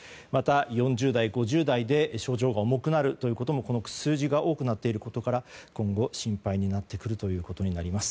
４０代５０代で症状が重くなることもこの数字が多くなっていることから今後、心配になってくるということになります。